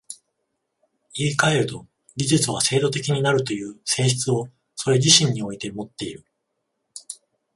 言い換えると、技術は制度的になるという性質をそれ自身においてもっている。